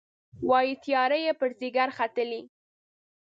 وايي، تیارې یې پر ځيګر ختلي